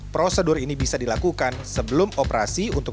prosedur ini bisa dilakukan sebelum operasi untuk